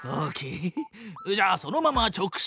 じゃあそのまま直進！